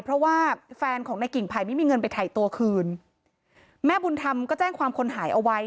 เพราะว่าแฟนของในกิ่งไผ่ไม่มีเงินไปถ่ายตัวคืนแม่บุญธรรมก็แจ้งความคนหายเอาไว้